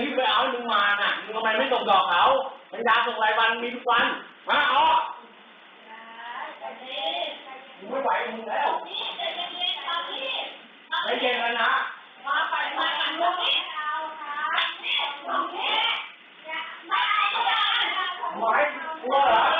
กูไม่ไหวหันคุณเส้ล